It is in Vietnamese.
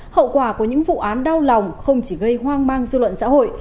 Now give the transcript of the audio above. hậu quả của những vụ án đau lòng không chỉ gây hoang mang dư luận xã hội